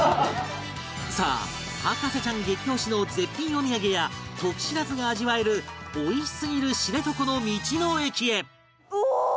さあ博士ちゃん激推しの絶品お土産やトキシラズが味わえる美味しすぎる知床の道の駅へ